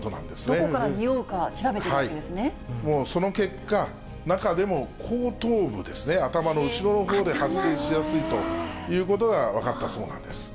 どこから臭うか調べているわもう、その結果、中でも後頭部ですね、頭の後ろのほうで発生しやすいということが分かったそうなんです。